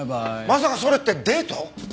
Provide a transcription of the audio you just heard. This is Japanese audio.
まさかそれってデート！？